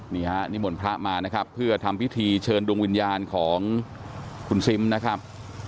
นี่ฮะนิมนต์พระมานะครับเพื่อทำพิธีเชิญดวงวิญญาณของคุณซิมนะครับ